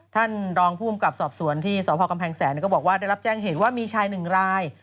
ท่านรองภูมิกับสอบสวนที่สพกำแพงแสนก็บอกว่าได้รับแจ้งเหตุว่ามีชายหนึ่งราย